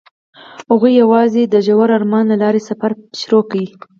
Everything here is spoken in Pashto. هغوی یوځای د ژور آرمان له لارې سفر پیل کړ.